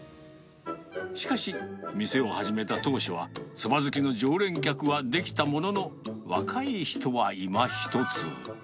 しかし、店を始めた当初は、そば好きの常連客はできたものの、若い人はいまひとつ。